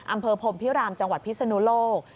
อำเภอพรมพิรามจังหวัดพิศนุโลก